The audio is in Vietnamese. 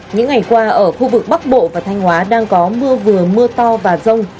những ngày qua ở khu vực bắc bộ và thanh hóa đang có mưa vừa mưa to và rông